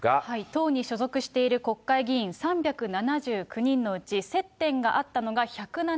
党に所属している国会議員３７９人のうち、接点があったのが１７９人。